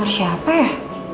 pernah siapa ya